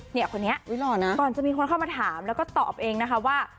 เนี่ยคนนี้ก่อนจะมีคนเข้ามาถามแล้วก็ตอบเองนะคะว่า